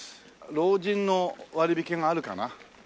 老人の割引があるかな？